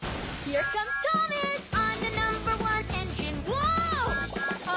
ワオ！